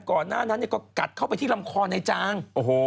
ก่อนหน้านั้นก็กัดเข้าไปที่ลำคอในจาง